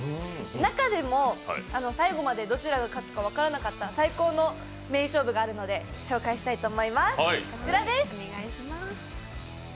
中でも最後までどちらが勝つか分からなかった最高の名勝負があるので紹介したいと思います。